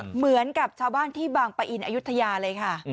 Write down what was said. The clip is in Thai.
เหมือนกับชาวบ้านที่บางปะอินอายุทยาเลยค่ะ